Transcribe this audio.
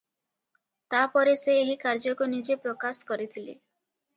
ତା'ପରେ ସେ ଏହି କାର୍ଯ୍ୟକୁ ନିଜେ ପ୍ରକାଶ କରିଥିଲେ ।